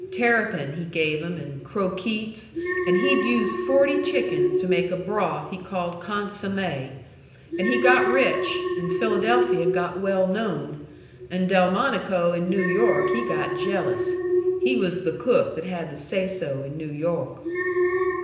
Terrapin, he gave 'em, an' croakeets, an' he'd use forty chickens to make a broth he called consommay. An' he got rich, and Philadelphia got well known, an' Delmonico in New York he got jealous. He was the cook that had the say so in New York."